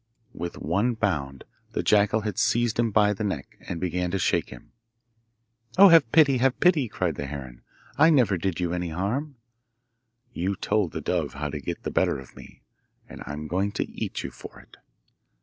With one bound the jackal had seized him by the neck, and began to shake him. 'Oh, have pity, have pity!' cried the heron. 'I never did you any harm.' 'You told the dove how to get the better of me, and I am going to eat you for it.